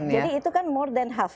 jadi itu kan more than half